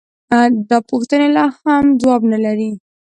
دا پوښتنې لا هم ځواب نه لري.